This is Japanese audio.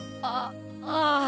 あああ。